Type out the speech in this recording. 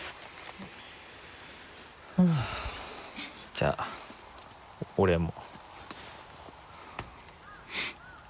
じゃあ俺も。